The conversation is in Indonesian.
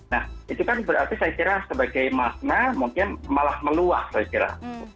nah itu kan berarti saya kira sebagai makna mungkin malah meluas saya kira